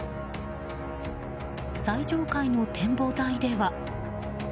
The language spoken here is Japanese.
最上階の展望台では。